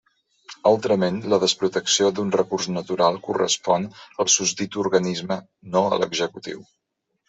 Altrament, la desprotecció d'un recurs natural correspon al susdit organisme, no a l'executiu.